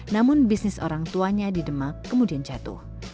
namun bisnis orang tuanya di demak kemudian jatuh